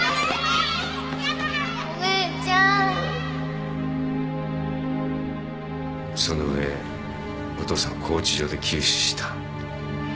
お姉ちゃんその上お父さんは拘置所で急死した。